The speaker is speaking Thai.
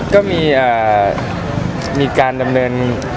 ก็มีการดำเนิน